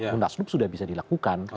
munasulup sudah bisa dilakukan